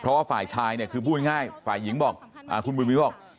เพราะว่าฝ่ายชายเนี่ยคือพูดง่ายฝ่ายหญิงบอกคุณบุ๋มวิวบอก